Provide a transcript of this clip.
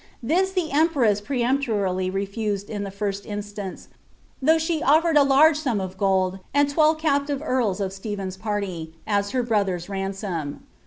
This the empress peremp torily refuted in the firat instance, tliough she ofiered a large sum of gold, and twelve captive earls of Stephen's party, as her brothcr^s ran som.